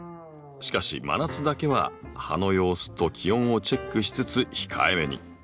しかし真夏だけは葉の様子と気温をチェックしつつ控えめに。